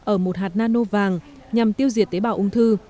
ở một hạt nano vàng nhằm tiêu diệt tế bào ung thư